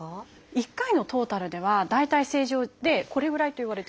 １回のトータルでは大体正常でこれぐらいといわれてるんです。